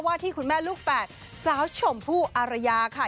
ที่คุณแม่ลูกแฝดสาวชมพู่อารยาค่ะ